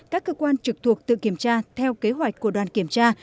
các cơ quan trực thuộc tự kiểm tra theo kế hoạch của đoàn kiểm tra